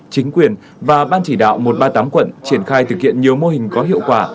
chính quyền và ban chỉ đạo một trăm ba mươi tám quận triển khai thực hiện nhiều mô hình có hiệu quả